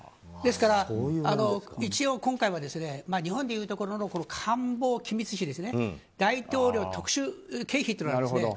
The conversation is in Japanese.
ですから、一応今回は日本でいうところの官房機密費大統領特殊経費というもの